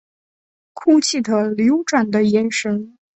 哭泣的流转的眼神